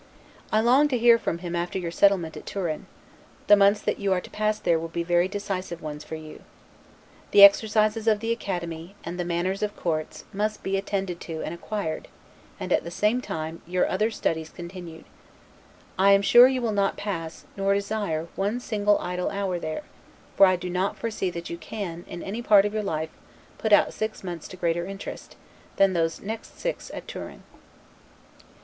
I long to hear from him after your settlement at Turin: the months that you are to pass there will be very decisive ones for you. The exercises of the Academy, and the manners of courts must be attended to and acquired; and, at the same time, your other studies continued. I am sure you will not pass, nor desire, one single idle hour there: for I do not foresee that you can, in any part of your life, put out six months to greater interest, than those next six at Turin.